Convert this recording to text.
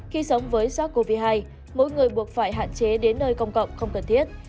khi sống với sars cov hai mỗi người buộc phải hạn chế đến nơi công cộng không cần thiết